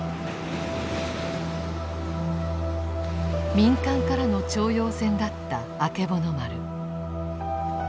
民間からの徴用船だったあけぼの丸。